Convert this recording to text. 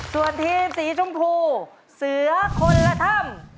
ส่วนทีมสีชมพูเสือคนละถ้ำ